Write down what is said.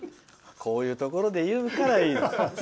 こういうところで言うからいいの。